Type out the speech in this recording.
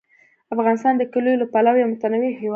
افغانستان د کلیو له پلوه یو متنوع هېواد دی.